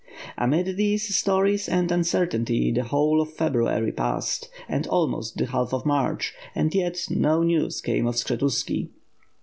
Amid these stories and uncertainty, the whole of February passed and almost the half of March; and yet, no news came of Skshetuski.